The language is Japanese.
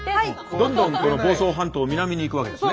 どんどん房総半島を南に行くわけですね。